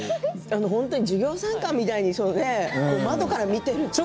授業参観みたいに窓から見ていてね。